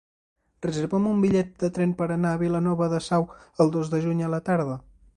Reserva'm un bitllet de tren per anar a Vilanova de Sau el dos de juny a la tarda.